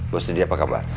bos jadi apa kabar